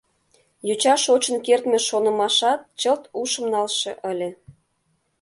Йоча шочын кертме шонымашат чылт ушым налше ыле.